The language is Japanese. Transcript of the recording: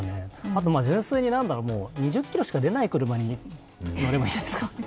あと純粋に２０キロしか出ない車に乗ればいいんじゃないですか。